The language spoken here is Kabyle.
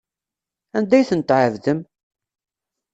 Anda ay tent-tɛebdem?